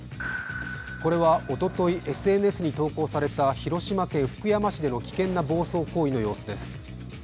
これはおととい、ＳＮＳに投稿された広島県福山市での危険な暴走行為の様子です。